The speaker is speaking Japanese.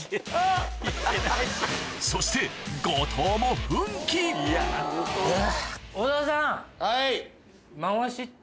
そして後藤もはい。